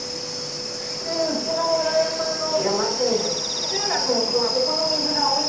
これうちの裏山の山清水。